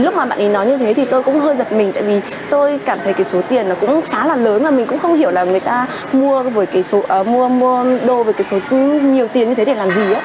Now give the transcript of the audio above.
lúc mà bạn ấy nói như thế thì tôi cũng hơi giật mình tại vì tôi cảm thấy cái số tiền nó cũng khá là lớn mà mình cũng không hiểu là người ta mua đôi với cái số tư nhiều tiền như thế để làm gì